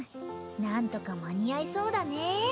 何とか間に合いそうだね。